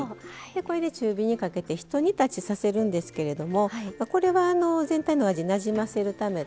これで中火にかけて一煮立ちさせるんですけどもこれは全体のお味なじませるため。